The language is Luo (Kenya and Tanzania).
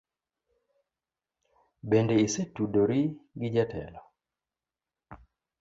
Bende isetudori gi jatelo?